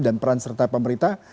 dan peran serta pemerintah